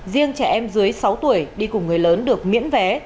riêng trẻ em dưới sáu tuổi đi cùng người lớn được miễn vé